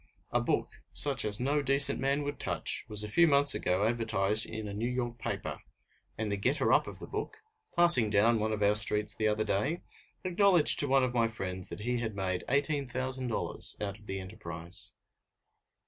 A book such as no decent man would touch was a few months ago advertised in a New York paper, and the getter up of the book, passing down one of our streets the other day, acknowledged to one of my friends that he had made $18,000 out of the enterprise.